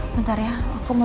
bentar ya aku mau